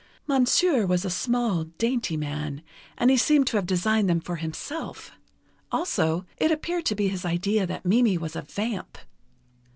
Monsieur was a small, dainty man, and he seemed to have designed them for himself. Also, it appeared to be his idea that Mimi was a vamp.